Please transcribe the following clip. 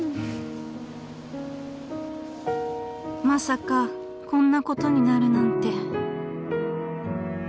［まさかこんなことになるなんて］